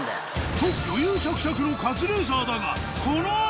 と余裕しゃくしゃくのカズレーザーだがこの後